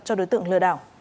cho đối tượng lừa đảo